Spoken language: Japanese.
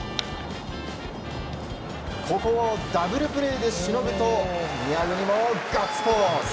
ここをダブルプレーでしのぐと宮國もガッツポーズ！